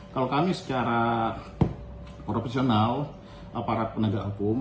kalau kami secara profesional aparat penegak hukum